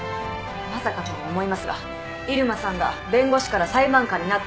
まさかとは思いますが入間さんが弁護士から裁判官になった。